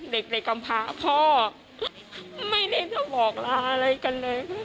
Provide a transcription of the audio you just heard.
เด็กในกำพาพ่อไม่ได้ต้องบอกลาอะไรกันเลย